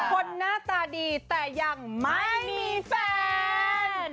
คนหน้าตาดีแต่ยังไม่มีแฟน